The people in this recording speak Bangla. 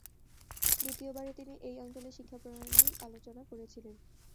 দ্বিতীয়বারে তিনি এই অঞ্চলের শিক্ষাপ্রণালীর আলোচনা করেছিলেন।